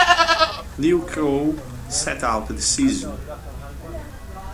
Luke Rowe sat out the season.